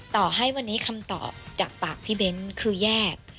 ต่อให้วันนี้คำตอบจากปากพี่เบ้นคือแยก